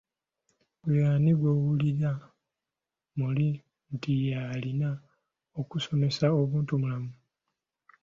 Ggwe ani gw'owuli muli nti y’alina okukusomesa obuntubulamu ?